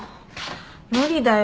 無理だよ。